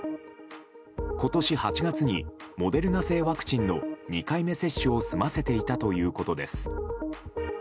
今年８月にモデルナ製ワクチンの２回目接種を済ませていたということです。